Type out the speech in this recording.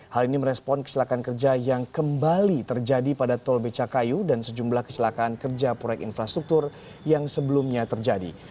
hal ini merespon kecelakaan kerja yang kembali terjadi pada tol becakayu dan sejumlah kecelakaan kerja proyek infrastruktur yang sebelumnya terjadi